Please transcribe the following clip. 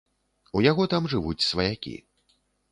У яго там жывуць сваякі.